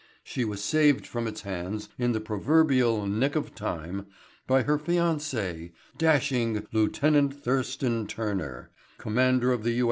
She was saved from its hands, in the proverbial nick of time, by her fiancé, dashing Lieutenant Thurston Turner, Commander of the U.